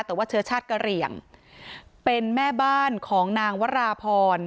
แต่ว่าเชื้อชาติกะเหลี่ยงเป็นแม่บ้านของนางวราพร